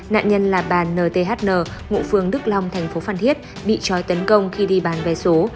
nạn nhân là bà nthn ngụ phương đức long thành phố phan thiết bị chói tấn công khi đi bàn vé số